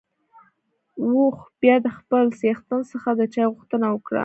اوښ بيا د خپل څښتن څخه د چای غوښتنه وکړه.